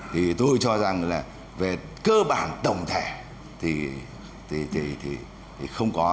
thì tôi cho rằng là về cơ bản tổng thể thì không có